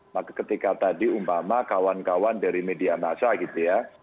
maka ketika tadi umpama kawan kawan dari media masa gitu ya